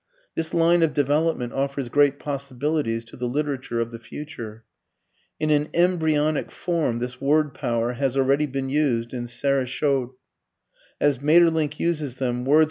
This line of development offers great possibilities to the literature of the future. In an embryonic form this word power has already been used in SERRES CHAUDES.